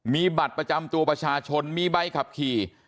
มีบัตรประจำตัวประชาชนมีใบขับขี่